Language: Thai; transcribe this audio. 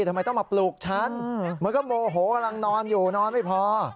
ทำไมต้องมาปลูกฉันมันก็โมโหกำลังนอนอยู่นอนไม่พอ